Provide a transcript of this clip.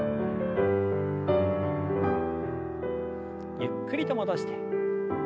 ゆっくりと戻して。